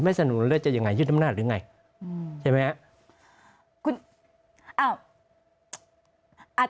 ไม่สนุนแล้วจะยังไงยึดธรรมนาธิ์หรือไงใช่ไหมครับ